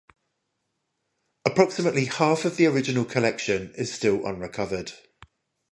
Approximately half of the original collection is still unrecovered.